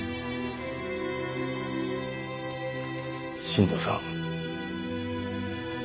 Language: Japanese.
新道さん。